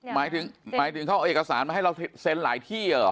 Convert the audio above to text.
หมายถึงหมายถึงเขาเอาเอกสารมาให้เราเซ็นหลายที่เหรอ